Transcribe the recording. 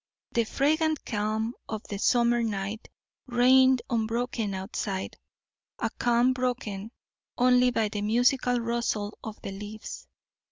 The fragrant calm of the summer night reigned unbroken outside, a calm broken only by the musical rustle of the leaves.